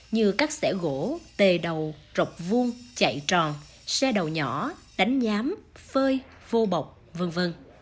như cắt xẻ gỗ tề đầu rọc vuông chạy tròn xe đầu nhỏ đánh nhám phơi vô bọc v v